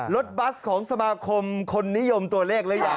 บัสของสมาคมคนนิยมตัวเลขหรือยัง